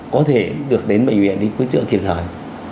có thể được đến bệnh viện để cứu trợ kịp thời